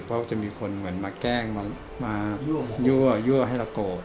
เพราะจะมีคนเหมือนมาแกล้งมายั่วให้เราโกรธ